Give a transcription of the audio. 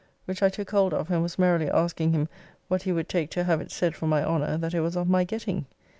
Which I took hold of and was merrily asking him what he would take to have it said for my honour that it was of my getting?